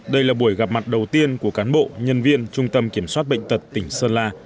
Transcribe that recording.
đây là buổi gặp mặt đầu tiên của cán bộ nhân viên trung tâm kiểm soát bệnh tật tỉnh sơn la